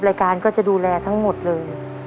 รายการก็จะดูแลทั้งหมดเลย